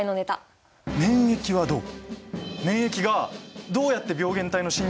免疫はどう？